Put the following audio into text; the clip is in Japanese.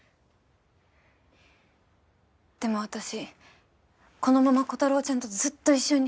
でも私このままコタローちゃんとずっと一緒に。